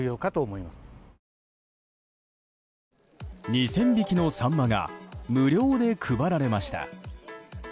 ２０００匹のサンマが無料で配られました。